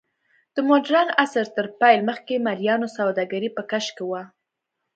د موډرن عصر تر پیل مخکې مریانو سوداګري په کش کې وه.